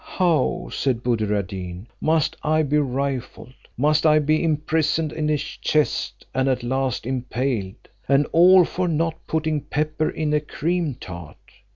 "How," said Buddir ad Deen, "must I be rifled; must I be imprisoned in a chest, and at last impaled, and all for not putting pepper in a cream tart?